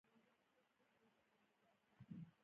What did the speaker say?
پاتې ورځې به یې خپلو ځمکو ته ځانګړې کولې.